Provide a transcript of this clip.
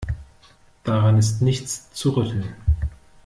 Daran ist nichts zu rütteln.